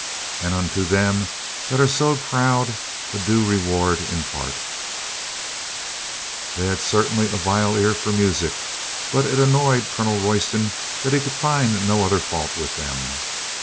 And unto them that are so proud a due reward im part They had certainly a vile ear for music, but it annoyed Colonel Royston that he could find no other fault with them.